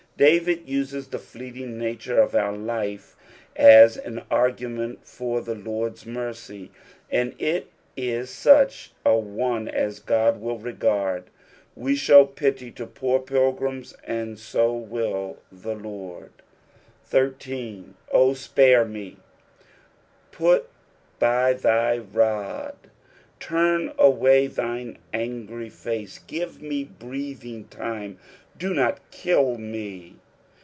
David uses the fleeting nature of our life as an argument for the Lord's mercy, and it is auch 8. one as God will regard. We show pity to poor pitgiima, and so will the Lord. 18. " O tpare me." Put by thy rod. Turn away thine angry face. Give me breathing time. Do not kill me.